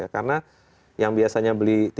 karena yang biasanya beli